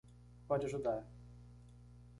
Pode ajudar